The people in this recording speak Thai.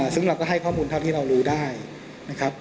ซึ่งเราก็ให้ข้อมูลเท่าที่เรารู้ได้นะครับ